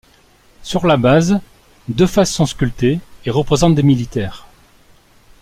Sur la base, deux faces sont sculptées et représentent des militaires.